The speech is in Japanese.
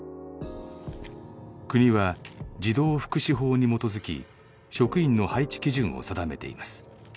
国は児童福祉法に基づき職員の配置基準を定めています。